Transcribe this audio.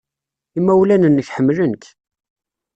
Imawlan-nnek ḥemmlen-k.